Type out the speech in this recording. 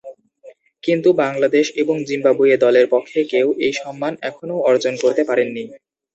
কিন্তু, বাংলাদেশ এবং জিম্বাবুয়ে দলের পক্ষে কেউ এই সম্মান এখনও অর্জন করতে পারেননি।